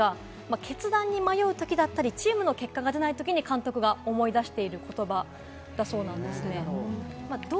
決断に迷う時だったりチームの結果が出ないときに監督が思い出している言葉だそうです。